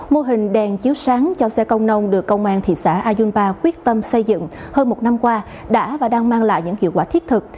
mô hình đèn chiếu sáng cho xe công nông được công an thị xã ayunpa quyết tâm xây dựng hơn một năm qua đã và đang mang lại những hiệu quả thiết thực